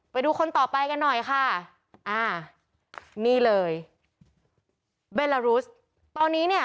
ไปดูคนต่อไปกันหน่อยค่ะอ่านี่เลยเบลลารุสตอนนี้เนี่ย